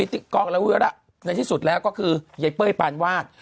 ติดกอลละจริงเอาระในที่สุดแล้วก็คือไยจะเป้ยปานวาด